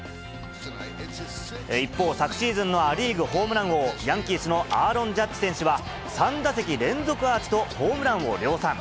一方、昨シーズンのア・リーグホームラン王、ヤンキースのアーロン・ジャッジ選手は、３打席連続アーチと、ホームランを量産。